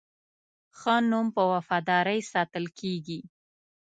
ښه نوم په وفادارۍ ساتل کېږي.